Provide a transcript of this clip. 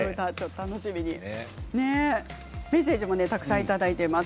メッセージもたくさんいただいています。